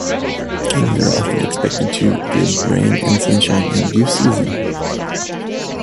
Kings are often expected to give rain and sunshine in due season.